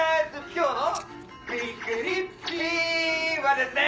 今日のびっくりッピーはですね